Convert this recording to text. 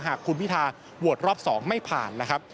หากคุณพิทาโหวตรอบ๒ไม่ผ่านนะครับ